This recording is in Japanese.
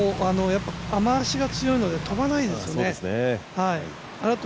雨脚が強いので飛ばないですね。